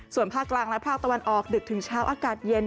ส่วนภาคกลางและภาคตะวันออกดึกถึงเช้าอากาศเย็น